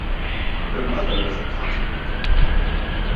Her mother was a cotton picker.